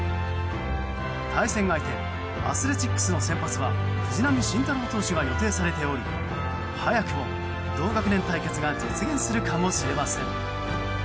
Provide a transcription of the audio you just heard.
対戦相手アスレチックスの先発は藤浪晋太郎投手が予定されており早くも同学年対決が実現するかもしれません。